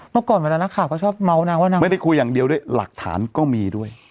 เมื่อก่อนเวลานักข่าวเขาชอบเมาสนางว่านางไม่ได้คุยอย่างเดียวด้วยหลักฐานก็มีด้วย